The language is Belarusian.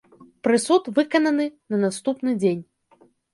Прысуд выкананы на наступны дзень.